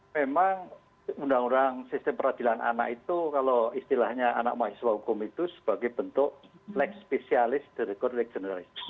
memang undang undang sistem peradilan anak itu kalau istilahnya anak mahasiswa hukum itu sebagai bentuk next specialist dan next generalist